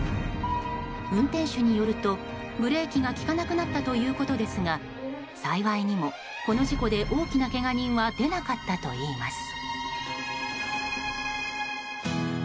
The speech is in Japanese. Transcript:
運転手によると、ブレーキが利かなくなったということですが幸いにも、この事故で大きなけが人は出なかったといいます。